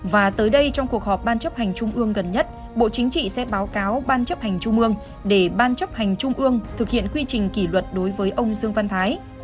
và tới đây trong cuộc họp ban chấp hành trung ương gần nhất bộ chính trị sẽ báo cáo ban chấp hành trung ương để ban chấp hành trung ương thực hiện quy trình kỷ luật đối với ông dương văn thái